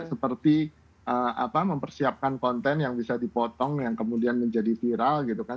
seperti mempersiapkan konten yang bisa dipotong yang kemudian menjadi viral gitu kan